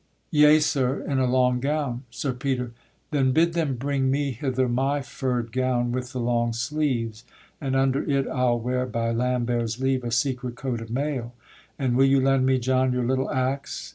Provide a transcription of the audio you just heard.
Yea, sir, in a long gown. SIR PETER. Then bid them bring me hither my furr'd gown With the long sleeves, and under it I'll wear, By Lambert's leave, a secret coat of mail; And will you lend me, John, your little axe?